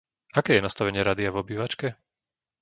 Aké je nastavenie rádia v obývačke?